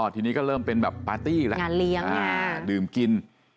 ทีนี้ก็เริ่มเป็นแบบปาร์ตี้แล้วงานเลี้ยงดื่มกิน